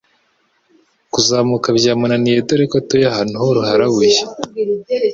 Kuzamuka byamunaniye dore ko atuye ahantu h'uruharabuye,